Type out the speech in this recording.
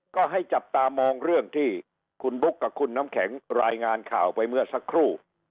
ก็ให้จับตามองเรื่องที่คุณบุ๊คกับคุณน้ำแข็งรายงานข่าวไปเมื่อสักครู่